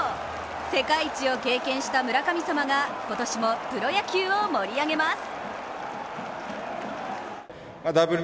世界一を経験した村神様が今年もプロ野球を盛り上げます。